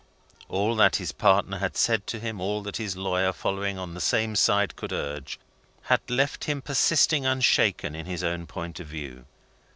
All that his partner had said to him, all that his lawyer, following on the same side, could urge, had left him persisting unshaken in his own point of view.